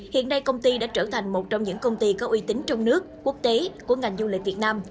hiện nay công ty đã trở thành một trong những công ty có uy tín trong nước quốc tế của ngành du lịch việt nam